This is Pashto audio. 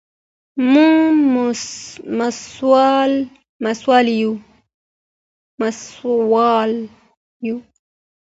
موږ مسؤل یو.